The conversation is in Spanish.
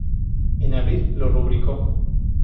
En abril, lo rubricó.